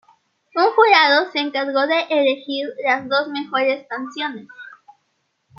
Un jurado se encargó de elegir las dos mejores canciones.